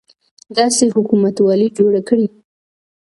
داسې حکومتولي جوړه کړي.